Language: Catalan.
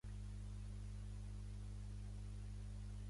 El nom del país es va donar en afrikaans, anglès o tots dos.